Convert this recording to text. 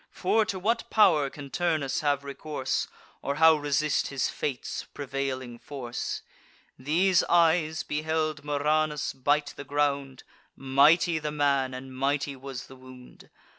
For to what pow'r can Turnus have recourse, Or how resist his fate's prevailing force? These eyes beheld Murranus bite the ground: Mighty the man, and mighty was the wound.